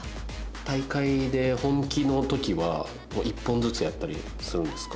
大会で本気の時は１本ずつやったりするんですか？